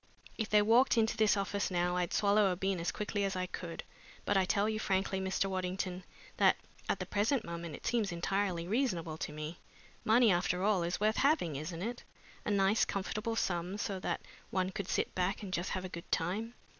If they walked into this office now I'd swallow a bean as quickly as I could, but I tell you frankly, Mr. Waddington, that at the present moment it seems entirely reasonable to me. Money, after all, is worth having, isn't it? a nice comfortable sum so that one could sit back and just have a good time.